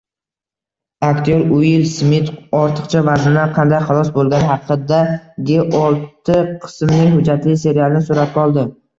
Aktyor Uill Smit ortiqcha vazndan qanday xalos bo‘lgani haqidagioltiqismli hujjatli serialni suratga oldi